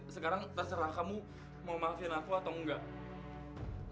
sekarang terserah kamu mau makan aku atau enggak